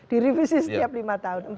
direvisi setiap lima tahun